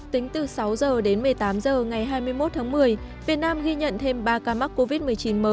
tính từ sáu h đến một mươi tám h ngày hai mươi một tháng một mươi việt nam ghi nhận thêm ba ca mắc covid một mươi chín mới